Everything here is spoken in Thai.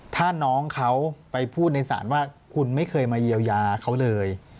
ถ้าน้องเขาไปพูดในศาลว่าคุณไม่เคยมาเยียวยาเขาเลย